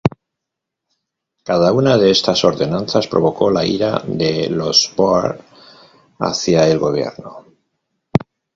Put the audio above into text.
Cada una de estas ordenanzas provocó la ira de los Bóers hacia el gobierno.